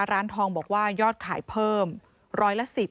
ร้านทองบอกว่ายอดขายเพิ่มร้อยละ๑๐